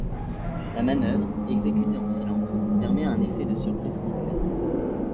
La manœuvre, exécutée en silence, permet un effet de surprise complet.